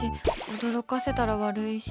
驚かせたら悪いし。